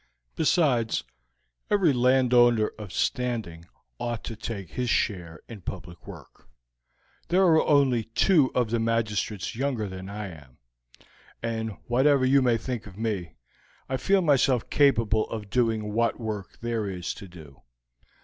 Besides, every landowner of standing ought to take his share in public work. There are only two of the magistrates younger than I am, and whatever you may think of me, I feel myself capable of doing what work there is to do.